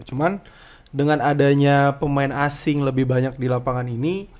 cuman dengan adanya pemain asing lebih banyak di lapangan ini